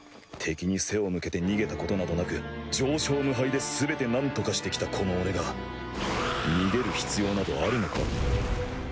敵に背を向けて逃げたことなどなく常勝無敗ですべてなんとかしてきたこの俺が逃げる必要などあるのか？